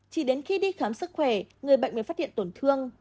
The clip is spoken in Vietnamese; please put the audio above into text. chỉ đến khi đi khám sức khỏe người bệnh mới phát hiện tổn thương